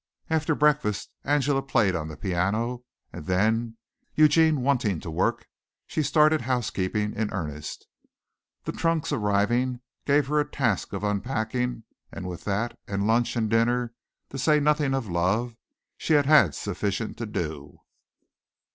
After breakfast Angela played on the piano, and then, Eugene wanting to work, she started housekeeping in earnest. The trunks arriving gave her the task of unpacking and with that and lunch and dinner to say nothing of love she had sufficient to do.